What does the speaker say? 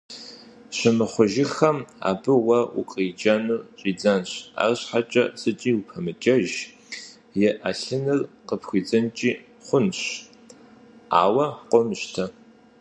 Щымыхъужыххэм абы уэ укъриджэу щӀидзэнщ, арщхьэкӀэ зыкӀи упэмыджэж, и Ӏэлъыныр къыпхуидзынкӀи хъунщ, ауэ къомыщтэ.